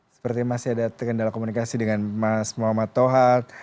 sepertinya masih ada terkendala komunikasi dengan mas muhammad tohad